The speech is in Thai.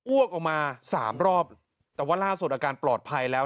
้วกออกมาสามรอบแต่ว่าล่าสุดอาการปลอดภัยแล้ว